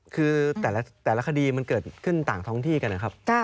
คือแต่ละคดีมันเกิดขึ้นต่างท้องที่กันนะครับ